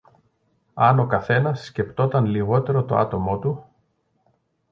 Αν ο καθένας σκέπτονταν λιγότερο το άτομο του